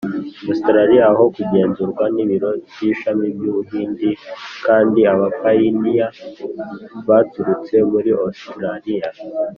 Ositaraliya aho kugenzurwa n ibiro by ishami by u Buhindi kandi abapayiniya baturutse muri Ositaraliya